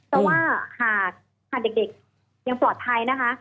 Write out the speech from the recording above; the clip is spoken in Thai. แต่ว่าหากเด็กยังปลอดภัยนะคะ